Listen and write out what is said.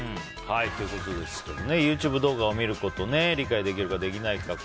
ＹｏｕＴｕｂｅ動画を見ること理解できるか、できないか。